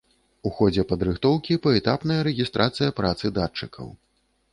У ходзе падрыхтоўкі паэтапная рэгістрацыя працы датчыкаў.